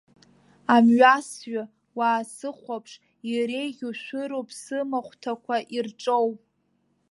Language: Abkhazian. Амҩасҩы, уаасыхәаԥш, иреиӷьу шәыруп сымахәҭақәа ирҿоу.